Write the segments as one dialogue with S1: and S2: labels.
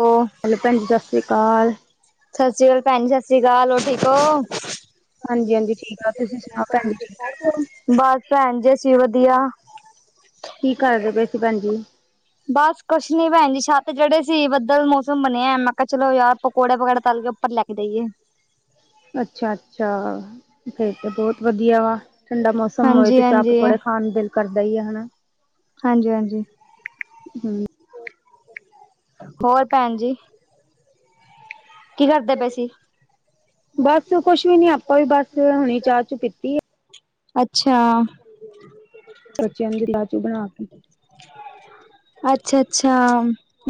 S1: ਓਹ
S2: ਹੈਲੋ ਪੈਣ ਜੀ ਸਾਸਰੀਕਾਲ।
S1: ਸਸ਼੍ਰੀ ਕਾਲ ਪੈਣਜੀ ਸਸ਼੍ਰੀ ਕਾਲ, ਹੋਰ ਠੀਕ ਓ?
S2: ਹਾਂਜੀ-ਹਾਂਜੀ ਠੀਕ ਆ, ਤੁਸੀਂ ਸੁਣਾਓ ਪੈਣਜੀ ਠੀਕ-ਠਾਕ ਓ?
S1: ਬਸ ਪੈਣਜੀ, ਅਸੀਂ ਵਧੀਆ।।
S2: ਕੀ ਕਾਰਦੇ ਪਏ ਸੀ ਪੈਣਜੀ?
S1: ਬਸ ਕੁੱਛ ਨੀ ਪੈਣ ਜੀ, ਛੱਤ ਚੜੇ ਸੀ ਬੱਦਲ ਮੌਸਮ ਬਣਿਆ, ਮੈਂ ਕੇਆ ਚਲੋ ਯਾਰ ਪਕੌੜੇ ਵਗੈਰਾ ਤਲ ਕੇ ਉੱਪਰ ਲੈ ਕੇ ਜਾਈਏ।
S2: ਅੱਛਾ-ਅੱਛਾ, ਫੇਰ ਤੇ ਬੋਤ ਵਧੀਆ ਵਾ। ਠੰਡਾ ਮੌਸਮ ਹੋਏ
S1: ਹਾਂਜੀ
S2: ਤੇ
S1: ਹਾਂਜੀ
S2: ਚਾਹ-ਪਕੌੜੇ ਖਾਣ ਨੂੰ ਦਿਲ ਕਰਦਾ ਈ ਆ ਹੈਨਾ।
S1: ਹਾਂਜੀ-ਹਾਂਜੀ।
S2: ਹੂੰ।
S1: ਹੋਰ ਪੈਣਜੀ? ਕੀ ਕਰਦੇ ਪਏ ਸੀ?
S2: ਬਸ ਕੁਛ ਵੀ ਨੀ, ਆਪਾਂ ਵੀ ਬਸ ਹੁਣੇ ਈ ਚਾਹ-ਚੁ ਪੀਤੀ ਏ।
S1: ਅੱਛਾ।
S2: ਬੱਚਿਆਂ ਜੋਗੀ ਲਾ ਛੱਡਾ ਆਪ ਈ।
S1: ਅੱਛਾ-ਅੱਛਾ,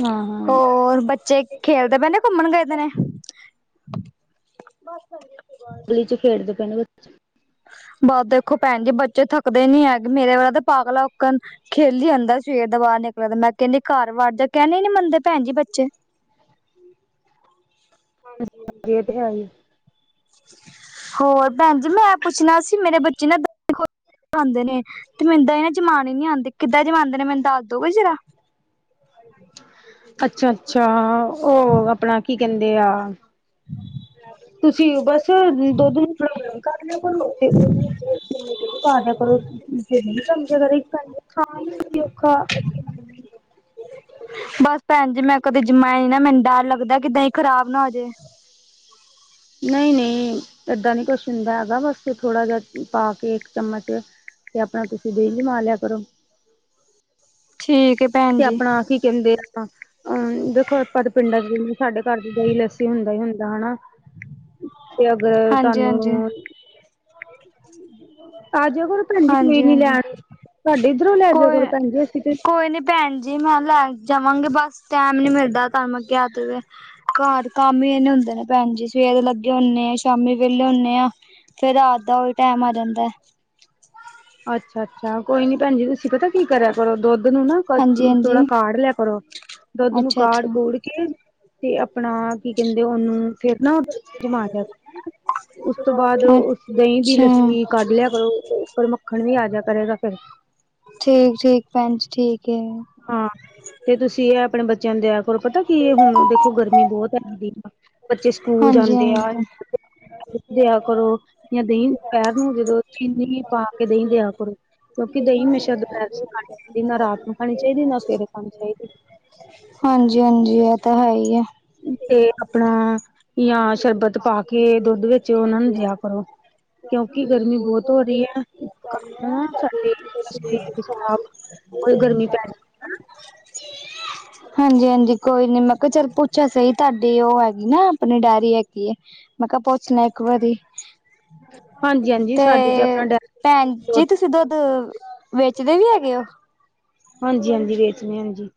S2: ਹਾਂ ਹਾਂ
S1: ਹੋਰ ਬੱਚੇ ਖੇਲਦੇ ਪੇ ਨੇ ਕੁੰਮਣ ਗਏ ਦੇ ਨੇ?
S2: ਗਲੀ ਚ ਖੇਡਦੇ ਪਏ ਨੇ ਬੱਚੇ।
S1: ਬਸ ਦੇਖੋ ਪੈਣ ਜੀ ਬੱਚੇ ਥੱਕਦੇ ਨੀ ਹੈਗੇ, ਮੇਰੇ ਵਾਲਾ ਤਾਂ ਪਾਗਲਾਂ ਅੱਕਣ ਖੇਲੀ ਆਂਦਾ ਸਵੇਰ ਦਾ ਬਾਰ ਨਿਕਲੋ ਤੇ, ਮੈਂ ਕੈੰਣੀ ਕਾਰ ਵੜ ਜਾਂ ਕਹਿਣਾ ਈ ਨੀ ਮੰਨਦੇ ਪੈਣਜੀ ਬੱਚੇ। ਹਾਂਜੀ-ਹਾਂਜੀ, ਏ ਤੇ ਹੈ। ਹੋਰ ਪੈਣ ਜੀ ਮੈਂ ਪੁੱਛਣਾ ਸੀ ਮੇਰੇ ਬੱਚੇ ਨਾ ਦਈ ਖੋਸ਼ ਹੋ ਕੇ ਖਾਂਦੇ ਨੇ। ਤੇ ਮੈਨੂੰ ਦਈ ਨਾ ਜਮਾਨੀ ਨੀ ਆਂਦੀ, ਕਿੱਦਾਂ ਜਮਾਂਂਦੇ ਨੇ ਮੈਨੂੰ ਦੱਸ ਦੋਗੇ ਜ਼ਰਾ?
S2: ਅੱਛਾ-ਅੱਛਾ ਓ ਆਪਣਾ ਕੀ ਕੈੰਦੇ ਆ ਤੁਸੀਂ ਬਸ ਦੁੱਧ ਨੂੰ ਥੋੜਾ ਗਰਮ ਕਰ ਲਓ ਤੇ ਓ ਦਈ ਪਾਂ ਦੇਆਂ ਕਰਾ ਤੇ ਦਈ ਜਮਜੇ ਕਰੇਗੀ ਕੱਰ ਦੀ ਖਾਣ ਨੂੰ ਵੀ ਨੀ ਔਖਾ
S1: ਬਸ ਪੈਣਜੀ ਮੈਂ ਕਦੇ ਜਿੰਮਾਈ ਨੀ ਨਾ, ਮੈਨੂੰ ਡਰ ਲੱਗਦਾ ਕਿ ਦਈ ਖਰਾਬ ਨਾ ਹੋਜੇ।
S2: ਨਈ-ਨਈ ਏਦਾਂ ਨੀ ਕੁਛ ਹੁੰਦਾ ਹੈਗਾ, ਬਸ ਤੂੰ ਥੋੜਾ ਜੇਹਾ ਪਾ ਕੇ ਇੱਕ ਚਮਚ ਤੇ ਆਪਣਾ ਤੁਸੀਂ ਦਹੀਂ ਜਮਾਂ ਲਿਆ ਕਰੋ।
S1: ਠੀਕ ਏ।
S2: ਤੇ ਆਪਣਾ ਕੀ ਕਹਿੰਦੇ ਆਪਾਂ ਅਮ ਦੇਖੋ ਆਪਾਂ ਤੇ ਪਿੰਡਾਂ ਚ, ਸਾਡੇ ਘਰ ਦੀ ਦਹੀਂ ਲੱਸੀ ਹੁੰਦਾ ਹੀ ਹੁੰਦਾ ਹਨਾ ਤੇ ਅਗਰ
S1: ਹਾਂਜੀ ਹਾਂਜੀ
S2: ਤੁਹਾਨੂੰ ਆ ਜਾਇਓ ਕਰੋ ਭੈਣ ਜੀ ਕੋਈ
S1: ਹਾਂਜੀ
S2: ਨੀ
S1: ਹਾਂਜੀ
S2: ਲੈਣ, ਸਾਡੇ ਇੱਧਰੋਂ ਲੈ ਜਾਇਓ ਕਰੋ
S1: ਕੋਈ
S2: ਭੈਣ ਜੀ ਅਸੀਂ ਤੇ
S1: ਕੋਈ ਨੀ ਭੈਣ ਜੀ ਮੈਂ ਲੈ ਜਾਵਾਂਗੇ, ਬਸ ਟੈਮ ਨੀ ਮਿਲਦਾ ਤੁਹਾਨੂੰ ਮੈਂ ਕਿਹਾ ਤੇ ਵੇ। ਘਰ ਕੰਮ ਹੀ ਇਹਨੇ ਹੁੰਦੇ ਨੇ ਭੈਣ ਜੀ, ਸਵੇਰੇ ਲੱਗੇ ਆ ਸ਼ਾਮੀ ਵੇਹਲੇ ਹੁਨੇ ਆ। ਫੇਰ ਰਾਤ ਦਾ ਉਹ ਵੀ ਟੈਮ ਆ ਜਾਂਦਾਂ।
S2: ਅੱਛਾ। ਅੱਛਾ ਕੋਈ ਨੀ ਭੈਣ ਜੀ ਤੁਸੀਂ ਪਤਾ ਕੀ ਕਰਿਆ ਕਰੋ, ਦੁੱਧ ਨੂੰ ਨਾ ਕ
S1: ਹਾਂਜੀ
S2: ਥੋੜਾ
S1: ਹਾਂਜੀ
S2: ਕਾਢ ਲਿਆ ਕਰੋ। ਦੁੱਧ ਨੂੰ
S1: ਅੱਛਾ ਅੱਛਾ
S2: ਕਾੜ-ਕੂੜ ਕੇ। ਤੇ ਆਪਣਾ ਕੀ ਕਹਿੰਦੇ, ਉਹਨੂੰ ਫੇਰ ਨਾ ਜਮਾਂ ਦਿਆ ਉਸ ਤੋਂ ਬਾਅਦ ਉਸ ਦਹੀਂ ਦੀ
S1: ਅੱਛਾ
S2: ਲੱਸੀ ਕੱਢ ਲਿਆ ਕਰੋ, ਉਪਰ ਮੱਖਣ ਵੀ ਆਜਿਆ ਕਰੇਗਾ ਫਿਰ।
S1: ਠੀਕ -ਠੀਕ, ਭੈਣ ਜੀ ਠੀਕਹੈ।
S2: ਹਾਂ, ਤੇ ਤੁਸੀਂ ਇਹ ਆਪਣੇ ਬੱਚਿਆਂ ਨੂੰ ਦਿਆ ਕਰੋ, ਪਤਾ ਕੀ ਹੁਣ ਦੇਖੋ ਗਰਮੀ ਬਹੁਤ ਆਈ ਜਾਂਦੀ। ਬੱਚੇ ਸਕੂਲ
S1: ਹਾਂਜੀ
S2: ਜਾਂਦੇ ਆ
S1: ਹਾਂਜੀ
S2: ਦਿਆ ਕਰੋ, ਜਾਂ ਦਹੀਂ ਦੁਪਹਿਰ ਨੂੰ ਜਦੋਂ ਚੀਨੀ ਪਾ ਕੇ ਦਹੀਂ ਦਿਆ ਕਰੋ। ਕਿਉਂਕਿ ਦਹੀਂ ਹਮੇਸ਼ਾ ਦੁਪਹਿਰੇ ਖਾਣੀ ਚਾਹੀਦੀ, ਨਾ ਰਾਤ ਨੂੰ ਖਾਣੀ ਚਾਹੀਦੀ ਨਾ, ਸਵੇਰੇ ਖਾਣੀ ਚਾਹੀਦੀ।
S1: ਹਾਂਜੀ -ਹਾਂਜੀ ਇਹ ਤਾਂ ਹੈ ਹੀ ਐ।
S2: ਤੇ ਆਪਣਾ ਜਾਂ ਸ਼ਰਬਤ ਪਾ ਕੇ ਦੁੱਧ ਵਿੱਚ ਉਹਨਾ ਨੂੰ ਦਿਆ ਕਰੋ। ਕਿਉਂਕਿ ਗਰਮੀ ਬਹੁਤ ਹੋ ਰਹੀ ਹੈ। [unintelligible] ਗਰਮੀ ਪੈ ਜਾਂਦ
S1: [inaudible] [unintelligible] ਹਾਂਜੀ- ਹਾਂਜੀ ਕੋਈ ਨੀ, ਮੈ ਕਿਹਾ ਚਲ‌ ਪੁੱਛਿਆ ਸਹੀ ਤੁਹਾਡੀ ਉਹ ਹੈਗੀ ਨਾ ਆਪਣੀ ਡੈਰੀ ਹੈਗੀ ਹੈ ਮੈ ਕਿਹਾ ਪੁੱਛ ਲਵਾ ਇੱਕ ਵਾਰੀ।
S2: ਹਾਂਜੀ ਹਾਂਜੀ
S1: ਤੇ
S2: ਸਾਡੇ ਆਪਣਾ ਡਾਇਰੀ
S1: ਭੈਣ ਜੀ ਤੁਸੀਂ ਦੁੱਧ ਵੇਚਦੇ ਵੀ ਹੈਗੇ ਹੋ।
S2: ਹਾਂਜੀ -ਹਾਂਜੀ ਵੇਚਦੇ ਹਾਂ ਹਾਂਜੀ।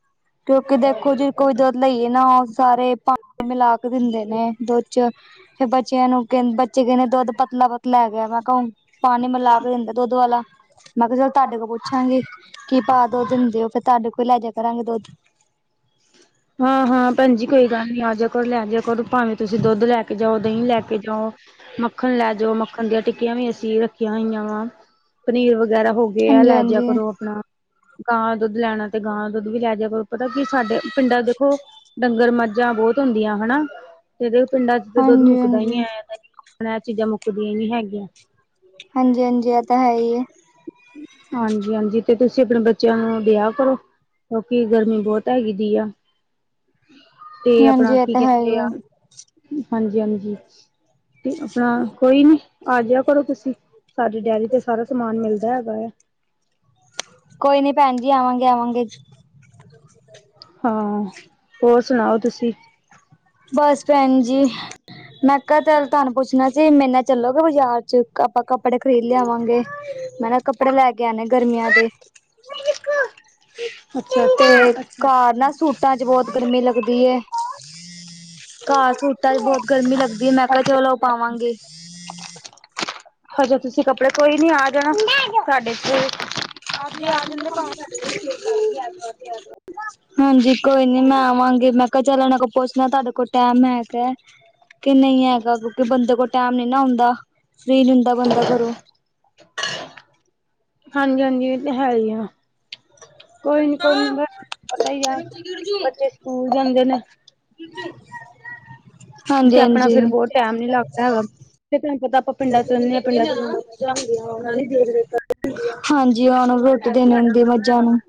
S1: ਕਿਉਂਕਿ ਦੇਖੋ ਜੇ ਕੋਈ ਦੁੱਧ ਲਈਏ ਨਾ, ਉਹ ਸਾਰੇ ਪਾਣੀ ਮਿਲਾ ਕੇ ਦਿੰਦੇ ਨੇ ਦੁੱਧ। ਤੇ ਬੱਚਿਆਂ ਨੂੰ ਕਹ ਬੱਚੇ ਕਹਿੰਦੇ ਦੁੱਧ ਪਤਲਾ- ਪਤਲਾ ਹੈਗਾ ਮੈਂ ਕਿਹਾ ਹੁ ਪਾਣੀ ਮਿਲਾ ਕੇ ਦਿੰਦਾ ਦੁੱਧ ਵਾਲਾ। ਮੈਂ ਕਿਹਾ ਚਲ ਤੁਹਾਡੇ ਕੋਲ ਪੁੱਛਾਂਗੇ ਕੀ ਭਾਅ ਦੁੱਧ ਦਿੰਦੇ ਹੋ ਫਿਰ। ਤੁਹਾਡੇ ਕੋਹੀ ਲੈ ਜਾ ਕਰਾਂਗੇ ਦੁੱਧ।
S2: ਹਾਂ- ਹਾਂ ਭੈਣ ਜੀ ਕੋਈ ਨੀ ਆਜਾ ਕਰੋ, ਲੈ ਜਾ ਕਰੋ ਭਾਵੇਂ ਤੁਸੀਂ ਦੁੱਧ ਲੈ ਕੇ ਜਾਓ, ਦਹੀਂ ਲੈ ਕੇ ਜਾਓ। ਮੱਖਣ ਲੈ ਜਾਓ ਮੱਖਣ ਦੀਆਂ ਟਿੱਕੀਆਂ ਵੀ ਅਸੀਂ ਰੱਖੀਆਂ ਹੋਈਆਂ ਵਾ। ਪਨੀਰ ਵਗੈਰਾ ਹੋ ਗਏ ਆ
S1: ਹਾਂਜੀ
S2: ਲੈ ਜਾ
S1: ਹਾਂਜੀ
S2: ਕਰੋ ਆਪਣਾ। ਗਾਂ ਦਾ ਦੁੱਧ ਲੈਣਾ ਤੇ ਗਾਂ ਦਾ ਦੁੱਧ ਵੀ ਲੈ ਜਾ ਕਰੋ ਪਤਾ ਕਿ ਸਾਡੇ ਪਿੰਡਾਂ ਚੋ ਦੇਖੋ ਡੰਗਰ, ਮੱਝਾਂ ਬਹੁਤ ਹੁੰਦੀਆਂ ਹਨਾ। ਕਦੇ ਪਿੰਡਾਂ ਚ ਤਾ ਦੁੱਧ
S1: ਹਾਂਜੀ
S2: ਮੁੱਕਦਾ ਹੀ ਨਹੀ
S1: ਹਾਂਜੀ
S2: ਹੈਗਾ। [unintelligible] ਐਹ ਚੀਜ਼ਾਂ ਮੁੱਕਦੀਆਂ ਨੀ ਹੈਗੀਆਂ।
S1: ਹਾਂਜੀ- ਹਾਂਜੀ ਇਹ ਤਾਂ ਹੈ ਹੀ ਹੈ।
S2: ਹਾਂਜੀ-ਹਾਂਜੀ ਤੇ ਤੁਸੀਂ ਆਪਣੇ ਬੱਚਿਆਂ ਨੂੰ ਦਿਆ ਕਰੋ। ਕਿਉਂਕਿ ਗਰਮੀ ਬਹੁਤ ਹੈਗੀ ਦੀ ਐ। ਤੇ ਆਪਣਾ
S1: ਹਾਂਜੀ ਇਹ
S2: ਕੀ
S1: ਤਾਂ ਹੈ ਹੀ
S2: ਕਹਿੰਦੇ ਆ।
S1: ਹੈ
S2: ਹਾਂਜੀ- ਹਾਂਜੀ ਤੇ ਆਪਣਾ ਕੋਈ ਨੀ ਆਜਿਆ ਕਰੋ ਤੁਸੀਂ, ਸਾਡੀ ਡਾਇਰੀ ਤੇ ਸਾਰਾ ਸਮਾਨ ਮਿਲਦਾ ਹੈਗਾ ਆ।
S1: ਕੋਈ ਨੀ ਭੈਣ ਜੀ ਆਵਾਂਗੇ- ਆਵਾਂਗੇ।
S2: ਹਾਂ, ਹੋਰ ਸੁਣਾਓ ਤੁਸੀਂ?
S1: ਬਸ ਪੈਨ ਜੀ। ਮੈਂ ਕਿਹਾ ਚਲ ਤੁਹਾਨੂੰ ਪੁੱਛਨਾ ਜੀ ਮੇਰੇ ਨਾਲ ਚੱਲੋਗੇ ਬਾਜ਼ਾਰ ਚ ਆਪਾਂ ਕੱਪੜੇ ਖਰੀਦ ਲਿਆਵਾਂਗੇ। ਮੈਂ ਨਾ ਕੱਪੜੇ ਲੈ ਕੇ ਆਣੇ ਗਰਮੀਆਂ ਦੇ।
S2: ਅੱਛਾ
S1: ਤੇ
S2: ਅੱਛਾ ਅੱਛਾ
S1: ਘਰ ਨਾ ਸੂਟਾਂ ਚ ਬਹੁਤ ਗਰਮੀ ਲੱਗਦੀ ਐ ਘਰ ਸੂਟਾਂ ਚ ਬਹੁਤ ਗਰਮੀ ਲੱਗਦੀ ਐ ਮੈਂ ਕਿਹਾ
S2: ਅੱਛਾ
S1: ਚਲੋ ਓ ਪਾਵਾਂਗੇ।
S2: ਹਜੇ ਤੁਸੀਂ ਕੱਪੜੇ ਕੋਈ ਨੀ ਆ ਜਾਨਾ ਸਾਡੇ ਤੇ- ਅੱਜ ਈ ਆ ਜਾਂਦੇ ਪਾਵੇ
S1: ਹਾਂਜੀ ਕੋਈ ਨੀ ਮੈਂ ਆਵਾਂਗੀ ਮੈਂ ਕੁਛ ਨਈ ਏਨਾ ਕੋਲ ਪੁੱਛ ਲਾ ਤੁਹਾਡੇ ਕੋਲ ਟੈਮ ਹੈਗਾ? ਕਿ ਨਹੀਂ ਹੈਗਾ ਕਿਉਂਕਿ ਬੰਦੇ ਕੋਲ ਟੈਮ ਨੀ ਨਾ ਹੁੰਦਾ ਫਰੀ ਨੀ ਹੁੰਦਾ ਬੰਦਾ ਘਰੋਂ।
S2: ਹਾਂਜੀ -ਹਾਂਜੀ ਤੇ ਹੈ ਹੀ ਆ। ਕੋਈ ਨੀ ਕੋਈ ਨੀ ਬਸ ਪਤਾ ਹੀ ਆ ਬੱਚੇ ਸਕੂਲ ਜਾਂਦੇ ਨੇ
S1: [unintelligible]
S2: ਤੇ
S1: ਹਾਂਜੀ
S2: ਆਪਣਾ
S1: -ਹਾਂਜੀ।
S2: ਫੇਰ ਬਹੁਤ ਟੈਮ ਨੀ ਲੱਗਦਾ ਹੈਗਾ ਤੇ ਤੁਹਾਨੂੰ ਪਤਾ ਆਪਾਂ
S1: [unintelligible]
S2: ਪਿੰਡਾਂ ਚ ਰਹਿੰਦੇ ਹਾਂ ਪਿੰਡਾਂ ਚ
S1: ਹਾਂਜੀ ਓਨਾ ਨੂੰ ਰੋਟੀ ਦੇਨੀ ਹੁੰਦੀ ਏ ਮੱਝਾਂ ਨੂੰ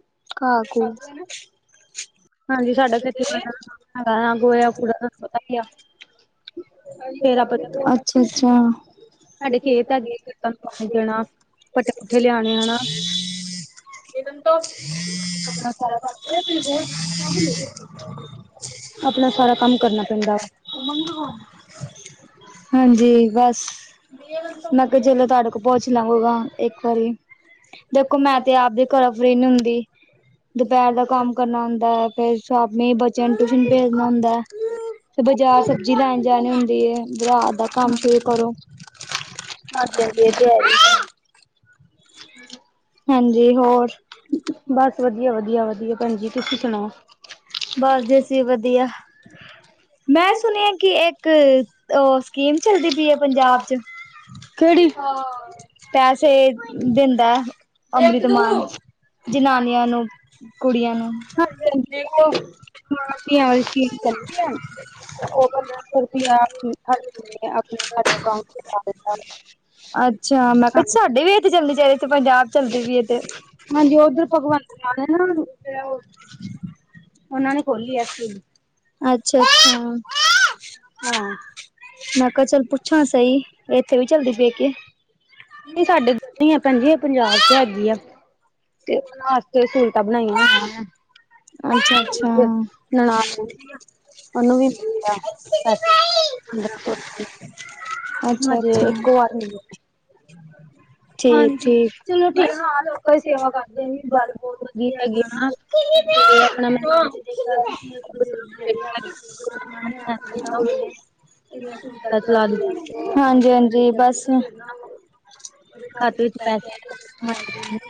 S1: ਘਾਹ ਘੂ। [unintelligible]
S2: ਹਾਂਜੀ ਸਾਡਾ ਖੇਤੀ ਖੁਤੀ ਦਾ ਕੰਮ [unintelligible]
S1: ਅੱਛਾ -ਅੱਛਾ
S2: ਸਾਡੇ ਖੇਤ ਹੈਗੇ ਖੇਤਾਂ ਨੂੰ ਪਾਣੀ ਦੇਣਾ ਪੱਠੇ ਪੁੱਠੇ ਲਿਆਣੇ ਹਨਾ ਆਪਣਾ ਸਾਰਾ ਕੰਮ
S1: [unintelligible] [unintelligible]
S2: ਅਪਨਾ ਸਾਰਾ ਕੰਮ ਕਰਨਾ ਪੈਂਦਾ ਵਾ
S1: ਹਾਂਜੀ ਬਸ। ਮੈਂ ਕਿਹਾ ਚਲੋਂ ਤੁਹਾਡੇ ਕੋਲ ਪੁੱਛ ਲਵਾ ਪ੍ਰੋਗਰਾਮ ਇੱਕ ਵਾਰੀ ਦੇਖੋ ਮੈਂ ਤੇ ਆਪਦੇ ਫਰੀ ਨੀ ਹੁੰਦੀ ਦੁਪਹਿਰ ਦਾ ਕੰਮ ਕਰਨਾ ਹੁੰਦਾ ਫੇਰ ਸ਼ਾਮੀ ਬੱਚ ਬੱਚਿਆ ਨੂੰ ਟਿਊਸ਼ਨ ਭੇਜਨਾ ਹੁੰਦਾ ਐ, ਫਿਰ ਬਾਜ਼ਾਰ ਸਬਜ਼ੀ ਲੈਣ ਜਾਣੀ ਹੁੰਦੀ ਐ, ਰਾਤ ਦਾ ਕੰਮ ਫਿਰ ਕਰੋ। [unintelligible] ਹਾਂਜੀ ਹੋਰ।
S2: ਬਸ ਵਧੀਆ, ਵਧੀਆ, ਵਧੀਆ ਪੇਣਜੀ, ਤੁਸੀਂ ਸੁਨਾਓ।
S1: ਬਸ ਜੀ ਅਸੀ ਵਧੀਆ, ਮੈਂ ਸੁਣਿਆ ਕਿ ਇੱਕ ਓਹ ਸਕੀਮ ਚਲਦੀ ਪਈ ਆ ਪੰਜਾਬ ਚ,
S2: ਕਿਹੜੀ
S1: ਪੈਸੇ ਦਿੰਦਾ ਅੰਮ੍ਰਿਤ ਮਾਨ ਜਨਾਨੀਆਂ ਨੂੰ। ਕੁੜੀਆਂ ਨੂੰ
S2: [unintelligible]
S1: ਅੱਛਾ, ਮੈਂ ਕਿਹਾ ਸਾਡੇ ਵੀ ਇੱਥੇ ਚਲਨੀ ਚਾਹੀਦੀ ਇੱਥੇ ਪੰਜਾਬ ਚ ਚੱਲਦੀ ਪਈ ਐ ਤੇ,
S2: ਹਾਂਜੀ ਉਧਰ ਭਗਵੰਤ ਮਾਨ ਹੈ ਨਾ
S1: ਉਹਨਾਂ ਨੇ ਖੋਲੀ ਐਸੀ। ਅੱਛਾ -ਅੱਛਾ,
S2: ਹਾਂ
S1: ਮੈ ਕਾ ਚਲ ਪੁੱ ਛਾਂ ਸਹੀ, ਏਥੇ ਵੀ ਚੱਲਦੀ ਪਈਏ ਕੇ?
S2: ਸਾਡੇ ਤਾਂ ਨਈ ਆ ਭੈਣ ਜੀ ਇਹ ਪੰਜਾਬ ਚ ਹੈਗੀ ਐ। ਤੇ ਆਸਤੇ ਸਹੂਲਤਾਂ ਬਨਾਈਆਂ ਹੋਈਆਂ ਨੇ।
S1: ਅੱਛਾ- ਅੱਛਾ।
S2: ਉਹਨੂੰ ਵੀ ਪਤਾ ਬਸ [unintelligible]
S1: ਅੱਛਾ
S2: ਹਜੇ
S1: ਅੱਛਾ
S2: ਇੱਕੋ ਵਾਰੀ ਮਿਲੇ ਨੇ।
S1: [inaudible]
S2: ਹਾਂਜੀ, ਚਲੋ ਠੀਕ ਆ।
S1: ਕੋਈ ਸੇਵਾ ਕਰਦੇ ਗੱਲ ਬੋੱਤ ਵਧੀਆ ਹੈਗੀ ਐ ਨਾ।
S2: ਤੇ ਆਪਣਾ ਮੈਂ ਚਲਾ ਦਿੱਤੀ
S1: [unintelligible] ਹਾਂਜੀ, ਹਾਂਜੀ ਬਸ।
S2: ਖਾਤੇ ਵਿੱਚ ਪੈਸੇ ਇੱਕ
S1: [unintelligible]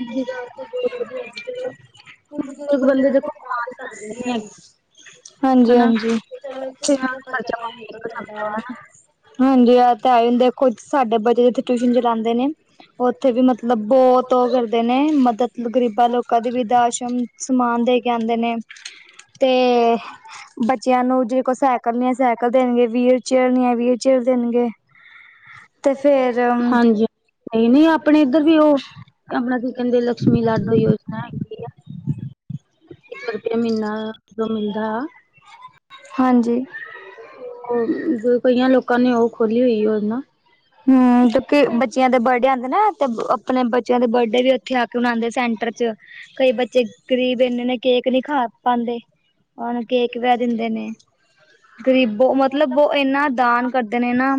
S2: ਬੰਦੇ ਦੇਖੋ ਕਮਾ ਤੇ ਸਕਦੇ ਨੀ ਹੈਗੇ
S1: [unintelligible] ਹਂਜੀ,
S2: ਹਨਾ।
S1: ਹਂਜੀ।
S2: ਖਰਚਾ ਪਾਣੀ ਨਿਕਲ ਸਕਦਾ ਵਾ ਹਨਾ।
S1: ਹਂਜੀ, ਐਤੇ ਐ ਇਹਦੇ ਕੁਝੱ ਸਾਡੇ ਬੱਚੇ ਜਿੱਥੇ ਟਿਊਸ਼ਨ ਚਲਾਦੇ ਨੇ ਔਥੇ ਵੀ ਮਤਲਬ ਬੋੱਤ ਹੋ ਗੈ। ਨੇ ਮਦਦ ਗ਼ਰੀਬਾਂ ਲੋਕਾਂ ਦੀ ਬਿਰਧ ਆਸ਼ਰਮ ਸਮਾਨ ਦੇ ਕੇ ਆਂਦੇ ਨੇ। ਤੇ ਬੱਚਿਆਂ ਨੂੰ ਜਿਹ ਕੋਲ ਸਾਈਕਲ ਨੀ ਹੈ, ਸਾਈਕਲ ਦੇਨਗੇ, ਵੀਲ ਚੇਅਰ, ਵੀ ਨੀ ਆ ਵੀਲ ਚੇਅਰ ਦੇਨਗੇ।
S2: ਹਂਜੀ, ਨਹੀਂ ਨਹੀਂ ਅਪਨੇ ਇੱਧਰ ਵੀ ਉਹ ਅਪਨਾ ਕੀ ਕੈਂਦੇ ਲਕਸ਼ਮੀ ਲਾਡੋ ਯੋਜਨਾ ਹੈਗੀ ਆ। ਇੱਕ ਰੁਪਏ ਮਹੀਨਾ ਜੋ ਮਿਲਦਾ।
S1: ਹਂਜੀ,
S2: ਕਈਆਂ ਲੋਕਾਂ ਨੇ ਔਹ ਖੋਲੀ ਹੋਈ ਯੋਜਨਾ।
S1: ਹੂੰਕਿਉਂਕਿ ਬੱਚਿਆਂ ਦੇ ਬਰਡੇ ਆਂਦੇ ਨਾ। ਤੇ ਅਪਨੇ ਬੱਚਿਆਂ ਦੇ ਬਰਡੇ ਵੀ ਔਥੇ ਆਕੇ ਮਨਾਂਦੇ ਸੈਂਟਰ ਚ। ਕਈ ਬੱਚੇ ਗ਼ਰੀਬ ਇਨੇ ਨੇ ਕੇਕ ਨਹੀਂ ਖਾ ਪਾਂਦੈ। ਉਹਨੂੰ ਕੇਕ ਵੇੈ ਦਿੰਦੇ ਨੇ। ਗ਼ਰੀਬੋ ਮਤਲਬ ਔਹ ਇਨਾ ਦਾਨ ਕਰਦੇ ਨੇ ਨਾ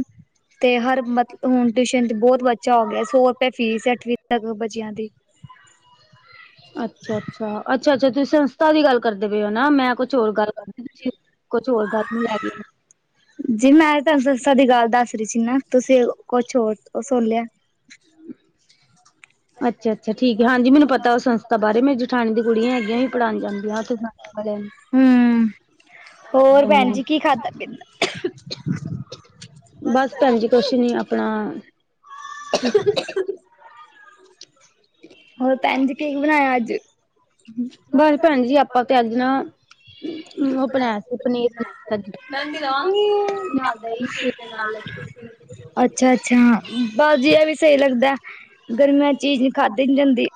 S1: ਤੇ ਹਰ ਹੁਨ ਟਿਊਸ਼ਨ ਤੇ ਬੋੱਤ ਬੱਚਾ ਹੋ ਗਿਆ। ਸੌ ਰੁਪਏ ਫੀਸ ਅੱਠਵੀ ਤੱਕ ਬੱਚਿਆਂ ਦੀ। [inaudible]
S2: ਅੱਛਾ ਅੱਛਾ, ਅੱਛਾ ਅੱਛਾ, ਤੁਸੀਂ ਸੰਸਥਾ ਦੀ ਗੱਲ ਕਰਦੇ ਪਏ ਹੋ ਨਾ। ਮੈਂ ਕੁਛ ਹੋਰ ਗੱਲ ਕੁਛ ਹੋਰ ਗੱਲ ਨੂੰ ਲੈ ਗੀ।
S1: ਜੀ ਮੈਂ ਤੁਹਾਨੂੰ ਸਂਸਧਾ ਦੀ ਗੱਲ ਦੱਸ ਰਹੀ ਸੀ ਨਾ ਤੁਸੀਂ ਕੁਛ ਹੋਰ ਸੁਨ ਲਿਆ।
S2: ਅੱਛਾ ਅੱਛਾ, ਠੀਕ ਹੈ, ਹਂਜੀ ਮੈਨੂੰ ਪਤਾ ਔਹਸਭ ਬਾਹਾਰੇ ਮੇਰੀ ਜਠਾਨੀ ਦੀ ਕੁੜੀਆਂ ਹੈਗੀਆਂ ਵੀ ਪੜ੍ਹਾਨ ਜਾਂਦੀਆਂ ਆਲੀਆਂ।
S1: ਹਮ ਹੋਰ ਭੈਨ
S2: ਨੂੰ।
S1: ਜੀ ਕੀ ਖਾਧਾ ਪੀਤਾ।
S2: ਬਸ ਭੈਨ ਜੀ ਕੁਛ ਨੀਅਪਨਾ
S1: [unintelligible] ਹੋਰ ਭੈਨ ਜੀ ਕੀ ਬਨਾਇਆ ਅੱਜ
S2: ਔਹ ਬਨਾਇਆ ਸੀ ਪਨੀਰ ਬਨਾਇਆ।
S1: ਮੈਂਦੀ ਰਾਂਗੀ ਨਾ ਦਹੀਂ ਸੀ ਨਾ ਲੱਸੀ ਸੀ। ਅੱਛਾ, ਅੱਛਾ ਬਸ ਜੀ ਐ ਵੀ ਸਹੀ ਲੱਗਦਾ ਗਰਮੀਆਂ ਚੀਜ਼ ਨਹੀਂ ਖਾਦੀ ਨੀ ਜੈਂਦੀ।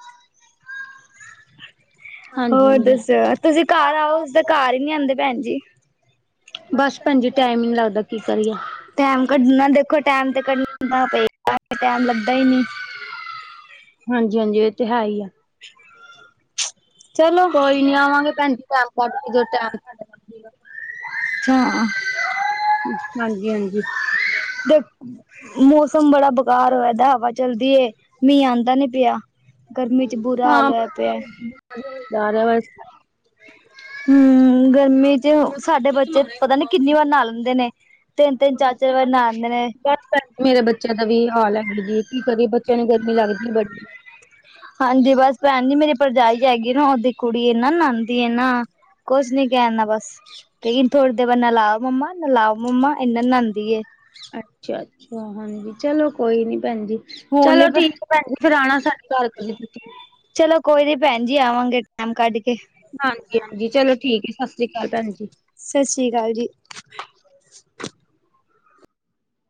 S2: ਹਾਂਜੀ
S1: ਹੋਰ
S2: ਹਾਂਜੀ
S1: ਦੱਸ ਤੁਸੀਂ ਘਰ ਆਔ ਤੁਸੀ ਘਰ ਹੀ ਨਹੀਂ ਆਂਦੇ ਭੈਨ ਜੀ।
S2: ਬਸ ਭੈਨ ਜੀ ਟੈਮ ਹੀ ਨਹੀਂ ਲੱਗਦਾ ਕੀ ਕਰੀਏ।
S1: ਟੈਮ ਕੱਢਨਾ ਦੇਖੋ ਟੈਮ ਤੇ ਕੱਢ ਪੈਗਾ ਟੈਮ ਲੱਗਦਾ ਹੀ ਨਹੀਂ। [unintelligible]
S2: ਹਂਜੀ, ਹਂਜੀ ਇਹ ਤੇ ਹੈ ਹੀ ਐ।
S1: [unintelligible]
S2: ਕੋਈ ਨੀ ਆਵਾਂਗੇ ਭੈਣ ਜੀ ਟਾਈਮ
S1: ਚਲੋਈਡ
S2: ਕੱਢ ਕੇ ਜਦੋਂ ਟਾਈਮ
S1: [unintelligible] ਹਮ ਦੇਖ
S2: ਹਾਂਜੀ ਹਾਂਜੀ
S1: [unintelligible] ਮੌਸਮ ਬੜਾ ਬੇਕਾਰ ਹੋਏ ਦਾ ਹਵਾ ਚਲਦੀ ਏ, ਮੀਂਹ ਆਂਦਾ ਨੀ ਪਿਆ। ਗਰਮੀ ਚ ਬੁਰਾ ਹਾਲ
S2: ਹਾਂ
S1: ਹੋਇਆ ਪਿਆ।
S2: ਬਸ
S1: ਹੂੰ, ਗਰਮੀ ਚ ਸਾਡੇ ਬੱਚੇ ਪਤਾ ਨੀ ਕਿੰਨੀ ਵਾਰ ਨਾਹ ਲੈਂਦੇ ਨੇ, ਤਿੰਨ -ਤਿੰਨ, ਚਾਰ-ਚਾਰ ਵਾਰ ਨਾਹ ਲੈਂਦੇ ਨੇ।
S2: ਮੇਰੇ ਬੱਚਿਆਂ ਦਾ ਵੀ ਹਾਲ ਈ ਹੈਗਾ ਜੀ, ਕੀ ਕਰੀਏ, ਬੱਚਿਆਂ ਨੂੰ ਗਰਮੀ ਲੱਗਦੀ ਬੜੀ
S1: ਹਾਂਜੀ ਬਸ ਭੈਣ ਜੀ ਮੇਰੀ ਭਰਜਾਈ ਹੈਗੀ ਨਾ ਓਦੀ ਕੁੜੀ ਏਨਾਂ ਨਾਹਦੀ ਏ ਨਾ ਕੁਝ ਨੀ ਕਹਿਣਾ ਬਸ, ਲੇਕਨ ਥੋੜੀ ਦੇਰ ਬਾਅਦ ਨਲਾਓ ਮੰਮਾ- ਨਾਲਾਓ ਮੰਮਾ ਏਨਾਂ ਨਾਂਦੀ ਏ।
S2: ਅੱਛਾ-ਅੱਛਾ ਹਾਂਜੀ, ਚਲੋ ਕੋਈ ਨੀ ਭੈਣ ਜੀ
S1: ਹੁਣ
S2: ਚਲੋ
S1: ਨੀ
S2: ਠੀਕ ਏ ਭੈਣ ਜੀ, ਫੇਰ ਆਣਾ ਸਾਡੇ ਘਰ ਤੁਸੀਂ।
S1: ਚਲੋ ਕੋਈ ਨੀ ਭੈਣ ਜੀ ਆਵਾਂਗੇ ਟਾਈਮ ਕੱਢ ਕੇ।
S2: ਹਾਂਜੀ-ਹਾਂਜੀ ਚਲੋ ਠੀਕ ਐ, ਸਸਰੀ ਅਕਾਲ ਭੈਣ ਜੀ।
S1: ਸ਼ਸਰੀ ਅਕਾਲ ਜੀ।